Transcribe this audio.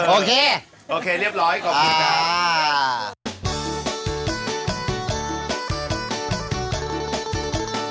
โอเคโอเคเรียบร้อยขอบคุณจ้า